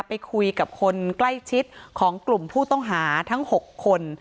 ไปคุยกับคนใกล้ชิดของกลุ่มผู้ต้องหาทั้ง๖คน